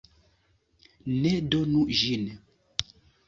Ne donu ĝin!